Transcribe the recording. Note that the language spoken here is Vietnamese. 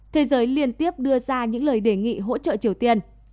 thế giới liên tiếp đưa ra những lời đề nghị hỗ trợ triều tiên